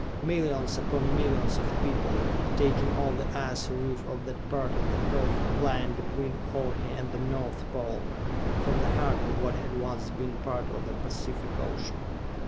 Millions upon millions of people, taking off the icy roof of that part of the Earth lying between Ohi and the North Pole, from the heart of what had once been part of the Pacific Ocean.